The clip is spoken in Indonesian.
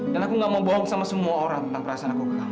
dan aku gak mau bohong sama semua orang tentang perasaan aku ke kamu